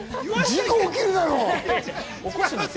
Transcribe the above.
事故起きるだろ！